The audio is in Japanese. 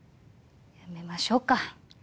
やめましょうか。